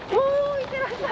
いってらっしゃい！